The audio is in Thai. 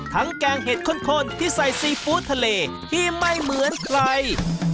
แกงเห็ดข้นที่ใส่ซีฟู้ดทะเลที่ไม่เหมือนใคร